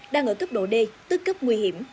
đang ở cấp độ d tức cấp nguy hiểm